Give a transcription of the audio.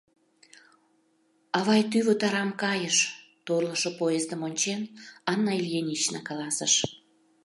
— Авай тӱвыт арам кайыш, — торлышо поездым ончен, Анна Ильинична каласыш.